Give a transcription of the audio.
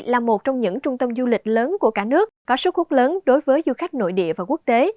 là một trong những trung tâm du lịch lớn của cả nước có sức hút lớn đối với du khách nội địa và quốc tế